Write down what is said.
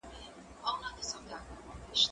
زه له سهاره ليکلي پاڼي ترتيب کوم